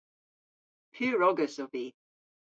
Pur ogas ov vy.